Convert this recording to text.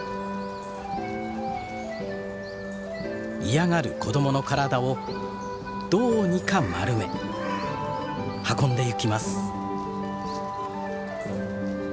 嫌がる子供の体をどうにか丸め運んでゆきます。